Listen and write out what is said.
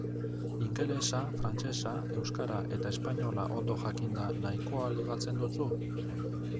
Ingelesa, frantsesa, euskara eta espainola ondo jakinda nahikoa ligatzen duzu?